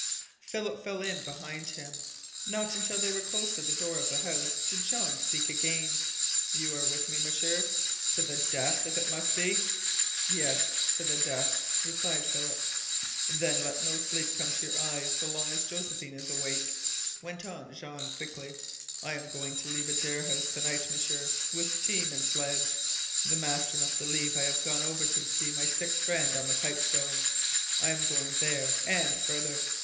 Philip fell in behind him. Not until they were close to the door of the house did Jean speak again. "You are with me, M'sieur to the death, if it must be?" "Yes, to the death," replied Philip. "Then let no sleep come to your eyes so long as Josephine is awake," went on Jean quickly. "I am going to leave Adare House to night, M'sieur, with team and sledge. The master must believe I have gone over to see my sick friend on the Pipestone. I am going there and farther!"